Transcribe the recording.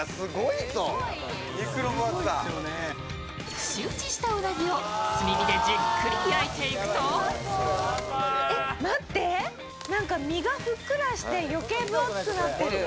串打ちしたうなぎを炭火でじっくり焼いていくと待って、身がふっくらして、余計分厚くなってる。